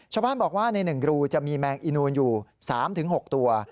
ชาวบ้านบอกว่าใน๑รูจะมีแมงอีนูนอยู่๓๖ตัว